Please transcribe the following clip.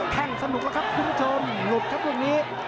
แค่งสนุกนะครับคุณผู้ชมหนุบครับนี่